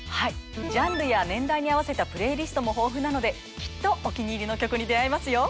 ジャンルや年代に合わせたプレイリストも豊富なのできっとお気に入りの曲に出会えますよ。